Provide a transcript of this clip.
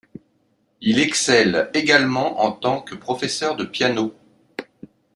Il excelle également en tant que professeur de piano.